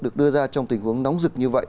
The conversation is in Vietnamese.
được đưa ra trong tình huống nóng rực như vậy